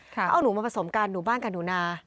เขาเอาหนูมาผสมกันหนูบ้านกับหนูนา